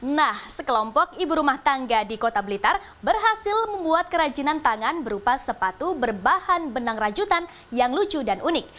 nah sekelompok ibu rumah tangga di kota blitar berhasil membuat kerajinan tangan berupa sepatu berbahan benang rajutan yang lucu dan unik